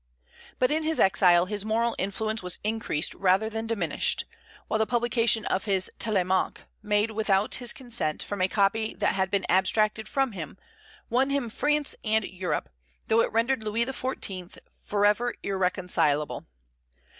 But in his exile his moral influence was increased rather than diminished; while the publication of his "Télémaque," made without his consent from a copy that had been abstracted from him, won him France and Europe, though it rendered Louis XIV. forever irreconcilable.